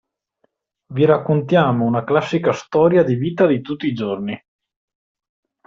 Vi raccontiamo una classica storia di vita di tutti giorni.